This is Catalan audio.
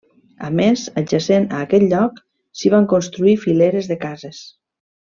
A més, adjacent a aquest lloc, s'hi van construir fileres de cases.